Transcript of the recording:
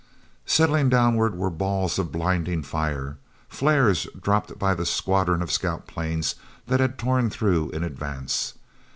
Settling downward were balls of blinding fire, flares dropped by the squadron of scout planes that had torn through in advance.